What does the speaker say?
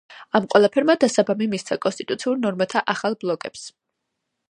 ამ ყველაფერმა დასაბამი მისცა კონსტიტუციურ ნორმათა ახალ ბლოკებს.